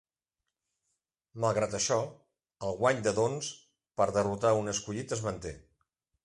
Malgrat això, el guany de dons per derrotar un escollit es manté.